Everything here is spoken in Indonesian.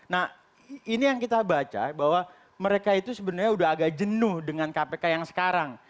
nah ini yang kita baca bahwa mereka itu sebenarnya sudah agak jenuh dengan kpk yang sekarang